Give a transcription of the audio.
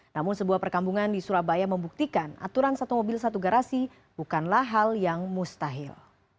namun sebuah perkampungan di surabaya membuktikan aturan satu mobil satu garasi bukanlah hal yang mustahil